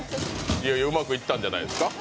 うまくいったんじゃないですか。